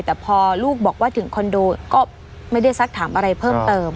แต่พอลูกบอกว่าถึงคอนโดก็ไม่ได้สักถามอะไรเพิ่มเติม